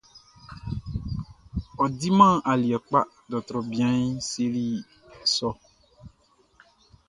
Ɔ diman aliɛ kpa, dɔrtrɔ bianʼn seli sɔ.